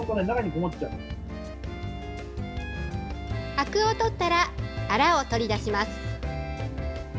あくをとったらアラを取り出します。